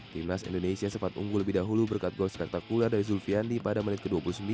timnas indonesia sempat unggul lebih dahulu berkat gol spektakuler dari zulfiandi pada menit ke dua puluh sembilan